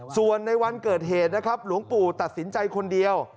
ส่วนในวันเกิดเหตุนะครับหลวงปู่ตัดสินใจคนเดียว